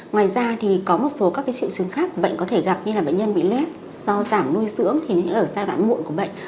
ngoài ra thì có một số các triệu chứng khác của bệnh có thể gặp như là bệnh nhân bị lết do giảm nuôi sưỡng thì nó ở xa đoạn mụn của bệnh